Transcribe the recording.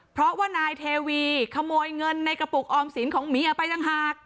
เพราะว่านายเทวีขโมยเงินในกระปุกออมสินของเมียไปต่างหาก